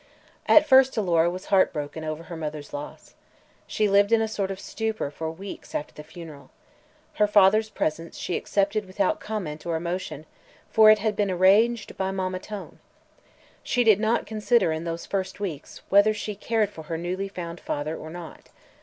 At first Alora was heart broken over her mother's loss. She lived in a sort of stupor for weeks after the funeral. Her father's presence she accepted without comment or emotion, for it had been arranged by "Mamma Tone." She did not consider, in those first weeks, whether she cared for her newly found father or not.